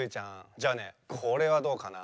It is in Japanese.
じゃあねこれはどうかな？